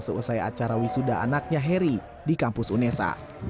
selesai acara wisuda anaknya harry di kampus unesa